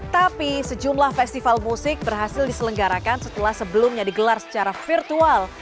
tapi sejumlah festival musik berhasil diselenggarakan setelah sebelumnya digelar secara virtual